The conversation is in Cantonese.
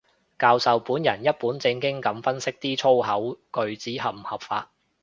教授本人一本正經噉分析啲粗口句子合唔合句法